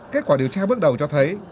kết quả điều tra bước đầu cho thấy